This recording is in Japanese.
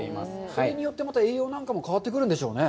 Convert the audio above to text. それによって、栄養なんかも変わってくるんでしょうね。